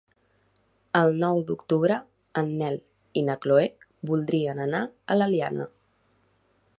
El nou d'octubre en Nel i na Chloé voldrien anar a l'Eliana.